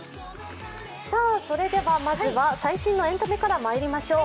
まずは最新のエンタメからまいりましょう。